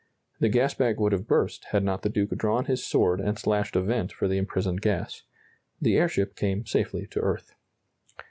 The gas bag would have burst had not the Duke drawn his sword and slashed a vent for the imprisoned gas. The airship came safely to earth.